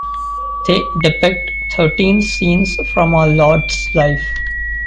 They depict thirteen scenes from our Lords life.